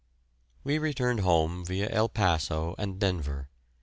We returned home via El Paso and Denver.